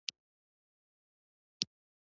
بدرنګه ژبه د نفرت وینا وي